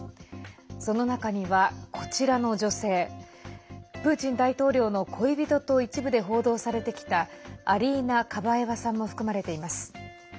その中には、こちらの女性プーチン大統領の恋人と一部で報道されてきたアリーナ・カバエワさんも含まれています。